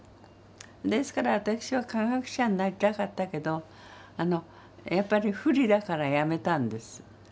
ですから私は科学者になりたかったけどやっぱり不利だからやめたんです。